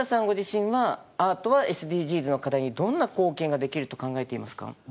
ご自身はアートはＳＤＧｓの課題にどんな貢献ができると考えていますか？